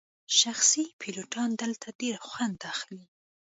شخصي پیلوټان دلته ډیر خوند اخلي